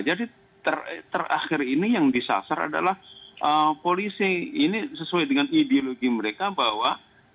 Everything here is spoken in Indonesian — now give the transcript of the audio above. jadi terakhir ini yang disasar adalah polisi ini sesuai dengan ideologi mereka bahwa